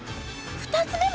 ２つ目も！